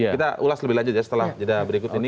kita ulas lebih lanjut ya setelah jeda berikut ini